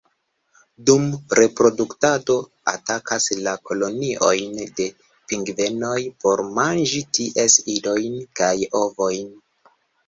Dum reproduktado atakas la koloniojn de pingvenoj por manĝi ties idojn kaj ovojn.